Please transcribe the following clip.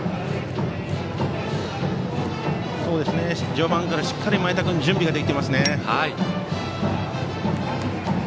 序盤からしっかり前田君は準備ができていますね。